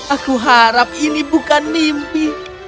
aku harap ini bukan mimpi